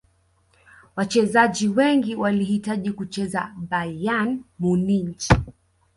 wachezaji wengi walihitaji kucheza bayern munich